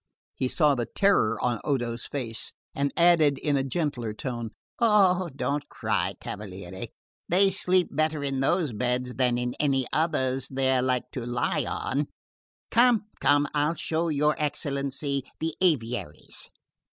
He saw the terror in Odo's face and added in a gentler tone: "Eh, don't cry, cavaliere; they sleep better in those beds than in any others they're like to lie on. Come, come, and I'll show your excellency the aviaries."